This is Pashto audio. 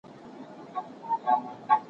نازولی خدای په رنګ او په شوکت یم